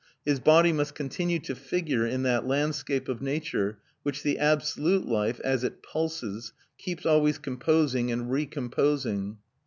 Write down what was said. His body must continue to figure in that landscape of nature which the absolute life, as it pulses, keeps always composing and recomposing.